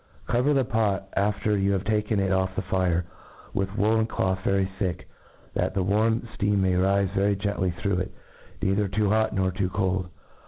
Cover the pot, af tej: yo\i have taken it off the fire, with woolen doth very thick, that die warm fteam may rife very gently through It, neither too hot nor too cold.